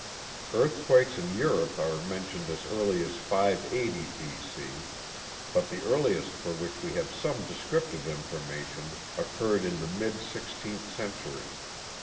Earthquakes in Europe are mentioned as early as 580 B.C., but the earliest for which we have some descriptive information occurred in the mid 16th century.